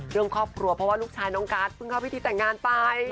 เรื่องครอบครัวเพราะว่าลูกชายน้องการ์ดเพิ่งเข้าพิธีแต่งงานไป